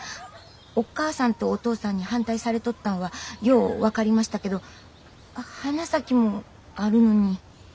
お母さんとお父さんに反対されとったんはよう分かりましたけど花咲もあるのに。